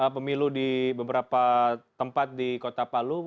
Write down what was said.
pemilu di beberapa tempat di kota palu